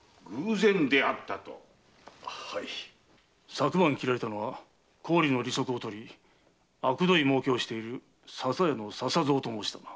昨晩斬られたのは高利の利息を取りあくどい儲けをしている笹屋の笹蔵と申したな。